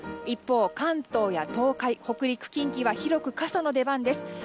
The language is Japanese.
一方、関東や東海、北陸、近畿は広く傘の出番です。